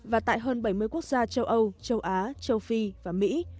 và tại hơn bảy mươi quốc gia châu âu châu á châu phi và mỹ